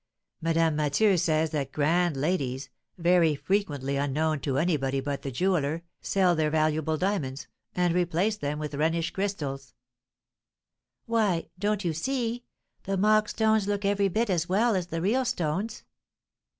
Madame Mathieu says that grand ladies, very frequently unknown to anybody but the jeweller, sell their valuable diamonds, and replace them with Rhenish crystals." "Why, don't you see, the mock stones look every bit as well as the real stones?